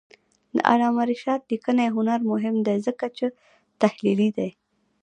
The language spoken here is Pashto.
د علامه رشاد لیکنی هنر مهم دی ځکه چې تحلیلي دی.